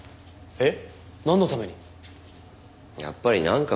えっ？